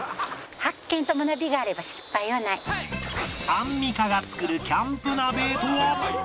アンミカが作るキャンプ鍋とは？